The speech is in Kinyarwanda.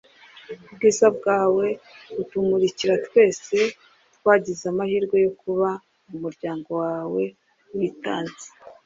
ubwiza bwawe butumurikira twese twagize amahirwe yo kuba mumuryango wawe witanze